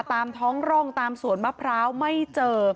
ตามท้องร่องตามสวนมะพร้าวไม่เจอ